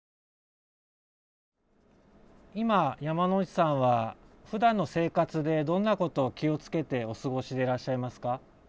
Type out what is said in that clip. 今山内さんはふだんの生活でどんなことを気をつけてお過ごしでらっしゃいますか？